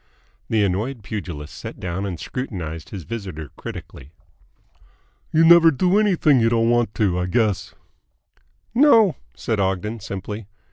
The annoyed pugilist sat down and scrutinised his visitor critically. "You never do anything you don't want to, I guess?" "No," said Ogden simply.